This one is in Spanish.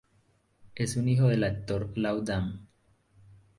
Es hijo del actor Lau Dan.